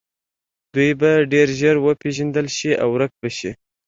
دوی به ډیر ژر وپیژندل شي او ورک به شي